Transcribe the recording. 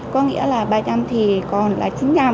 có nghĩa là ba trăm linh thì còn là chín trăm linh